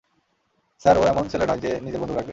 Sir, ও এমন ছেলে নয়, যে নিজের বন্দুক রাখবে।